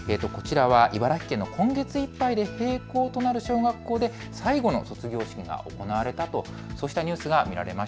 こちらは茨城県の今月いっぱいで閉校となる小学校で最後の卒業式が行われたというニュースです。